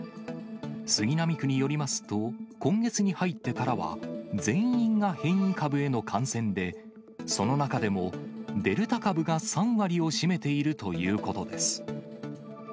杉並区によりますと、今月に入ってからは、全員が変異株への感染で、その中でもデルタ株が３割を占めているということです。